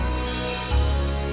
ustadz jaki udah bebas